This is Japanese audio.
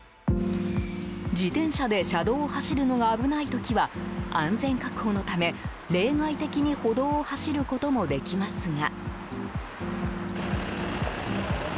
自転車で車道を走るのが危ない時は、安全確保のため例外的に歩道を走ることもできますが。